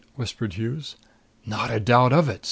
whispered Hughes. "Not a doubt of it!"